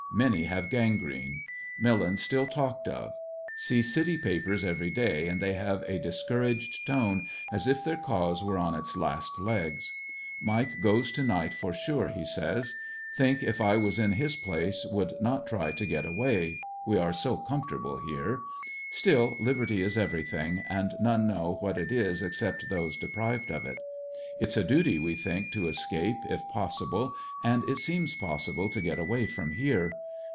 Many have gangrene. Millen still talked of. See city papers every day, and they have a discouraged tone as if their cause were on its last legs. Mike goes to night for sure, he says. Think if I was in his place would not try to get away, we are so comfortable here. Still liberty is everything, and none know what it is except those deprived of it. It's a duty, we think, to escape if possible, and it seems possible to get away from here.